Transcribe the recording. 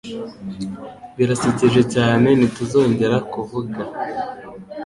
Birasekeje cyane ntituzongera kuvuga